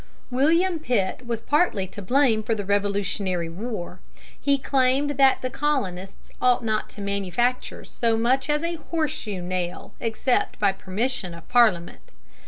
William Pitt was partly to blame for the Revolutionary War. He claimed that the Colonists ought not to manufacture so much as a horseshoe nail except by permission of Parliament.